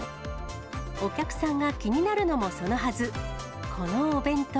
お客さんが気になるのもそのはず、このお弁当。